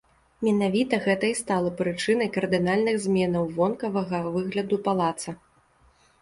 Менавіта гэта і стала прычынай кардынальных зменаў вонкавага выгляду палаца.